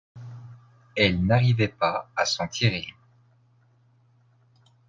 elle n'arrivait pas à s'en tirer.